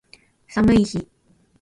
寒い日